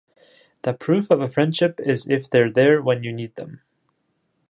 The proof of a friendship is if they're there when you need them.